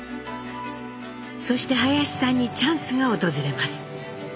そして林さんにチャンスが訪れます。